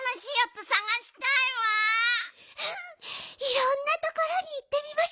いろんなところにいってみましょうよ。